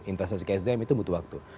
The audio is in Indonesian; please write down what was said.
investasi ksdm itu butuh waktu